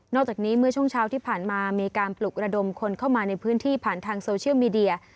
จากนี้เมื่อช่วงเช้าที่ผ่านมามีการปลุกระดมคนเข้ามาในพื้นที่ผ่านทางโซเชียลมีเดีย